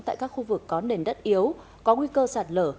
tại các khu vực có nền đất yếu có nguy cơ sạt lở